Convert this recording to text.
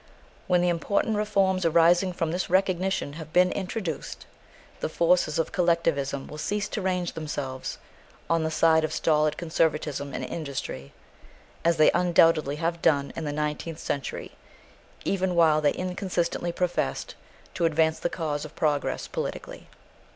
When the important reforms arising from this recognition have been introduced, the forces of collectivism will cease to range themselves on the side of stolid conservatism in industry, as they undoubtedly have done in the nineteenth century even while they inconsistently professed to advance the cause of progress politically.